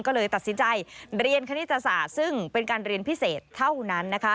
ก็เลยตัดสินใจเรียนคณิตศาสตร์ซึ่งเป็นการเรียนพิเศษเท่านั้น